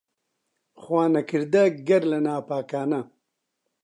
خوا نەکەردە گەر لە ناپاکانە